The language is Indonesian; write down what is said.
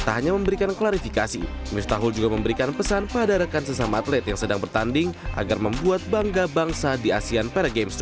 tak hanya memberikan klarifikasi miftahul juga memberikan pesan pada rekan sesama atlet yang sedang bertanding agar membuat bangga bangsa di asean paragames dua ribu